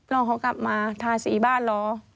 รอเขากลับมาทาสีบ้านรอ